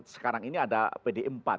sekarang ini ada pdi empat